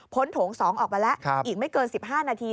โถง๒ออกมาแล้วอีกไม่เกิน๑๕นาที